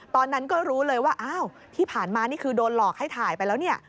ตอนนั้นก็รู้เลยว่าอ้าวที่ผ่านมานี่คือโดนหลอกให้ถ่ายไปแล้วเนี่ย